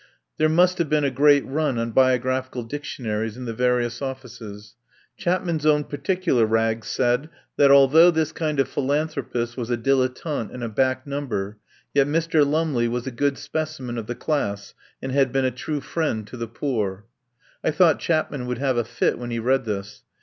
There must have been a great run on biographical dictionaries in the various offices. Chapman's own particular rag said that, although this kind of philan thropist was a dilettante and a back number, yet Mr. Lumley was a good specimen of the class and had been a true friend to the poor. I thought Chapman would have a fit when he read this.